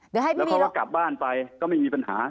แล้วพอกลับบ้านไปก็ไม่มีปัญหา